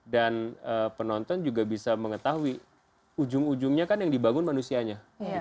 dan penonton juga bisa mengetahui ujung ujungnya kan yang dibangun manusianya